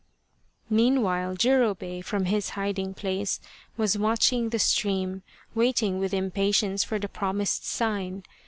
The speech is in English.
Meanwhile Jurobei, from his hiding place, was watching the stream, waiting with impatience for the promised sign.